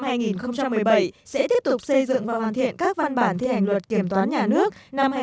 chủ tịch sẽ tiếp tục xây dựng và hoàn thiện các văn bản thi hành luật kiểm toán nhà nước năm hai nghìn một mươi năm